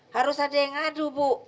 harus ada yang ngadu bu